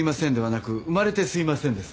「生まれてすみません」です。